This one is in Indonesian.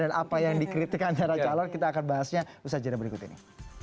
dan apa yang dikritik antara calon kita akan bahasnya di sajian berikut ini